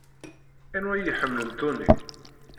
Anwa ay iḥemmlen Tony?